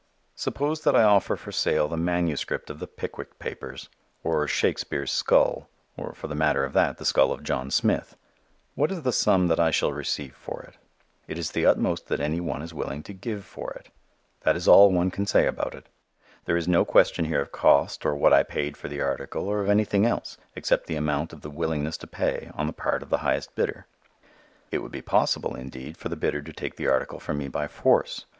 Suppose that I offer for sale the manuscript of the Pickwick Papers, or Shakespere's skull, or, for the matter of that, the skull of John Smith, what is the sum that I shall receive for it? It is the utmost that any one is willing to give for it. That is all one can say about it. There is no question here of cost or what I paid for the article or of anything else except the amount of the willingness to pay on the part of the highest bidder. It would be possible, indeed, for a bidder to take the article from me by force.